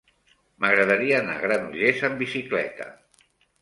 M'agradaria anar a Granollers amb bicicleta.